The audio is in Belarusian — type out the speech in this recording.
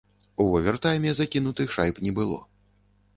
У овертайме закінутых шайб не было.